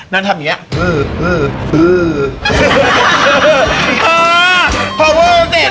งั้นทำอย่างเงี้ย